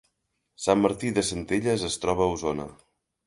Sant Martí de Centelles es troba a Osona